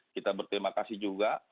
kita berterima kasih juga